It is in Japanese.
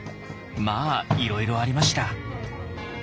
まあいろいろありました。